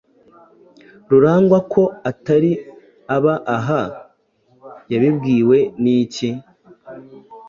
Rurangwa ko atari aba aha yabibwiwe niki?.